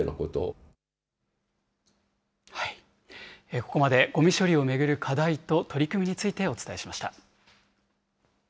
ここまで、ごみ処理を巡る課題と取り組みについてお伝えしました。